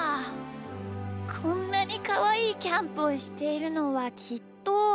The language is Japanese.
こんなにかわいいキャンプをしているのはきっと。